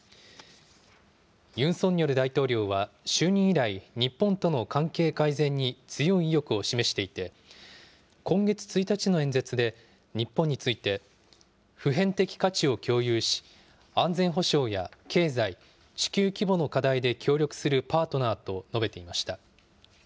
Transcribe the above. ユン・ソンニョル大統領は、就任以来、日本との関係改善に強い意欲を示していて、今月１日の演説で日本について、普遍的価値を共有し、安全保障や経済、地球規模の課題で協力するパートナーと述べていました。